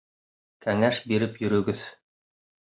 Кәңәш биреп йөрөгөҙ!